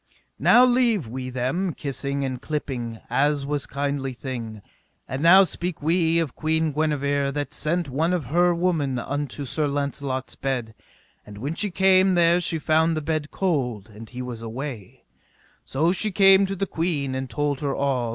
Now leave we them kissing and clipping, as was kindly thing; and now speak we of Queen Guenever that sent one of her women unto Sir Launcelot's bed; and when she came there she found the bed cold, and he was away; so she came to the queen and told her all.